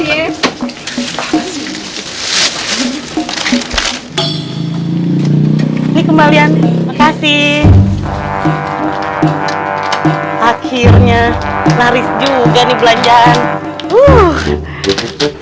ini kembalian kasih akhirnya lari juga nih belanjaan uh